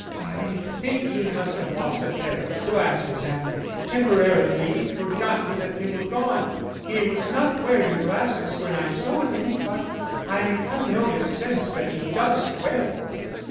"I think he must have lost a pair of glasses and temporarily forgotten that they were gone. He was not wearing glasses when I saw him but I have noticed since that he does wear them."